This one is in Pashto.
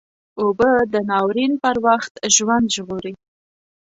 اوبه د ناورین پر وخت ژوند ژغوري